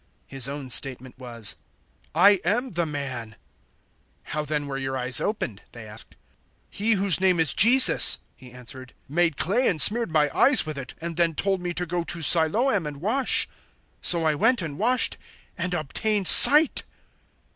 His own statement was, "I am the man." 009:010 "How then were your eyes opened?" they asked. 009:011 "He whose name is Jesus," he answered, "made clay and smeared my eyes with it, and then told me to go to Siloam and wash. So I went and washed and obtained sight."